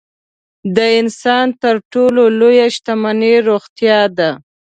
د انسان تر ټولو لویه شتمني روغتیا ده.